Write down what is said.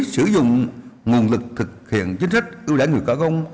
sử dụng nguồn lực thực hiện chính sách ưu đãi người có công